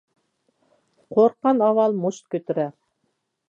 قورققان ئاۋۋال مۇشت كۆتۈرەر.